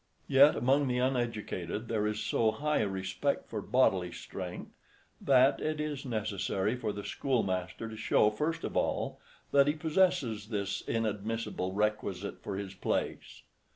Yet among the uneducated there is so high a respect for bodily strength, that it is necessary for the schoolmaster to show, first of all, that he possesses this inadmissible requisite for his place.